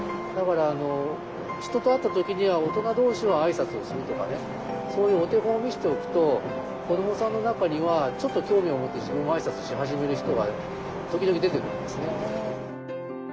だから人と会った時には大人同士はあいさつをするとかそういうお手本を見せておくと子どもさんの中にはちょっと興味を持って自分もあいさつし始める人が時々出てくるんですね。